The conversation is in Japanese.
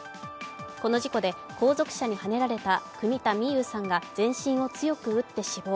この事故で、後続車にはねられた国田美佑さんが全身を強く打って死亡。